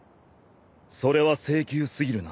それは性急すぎるな。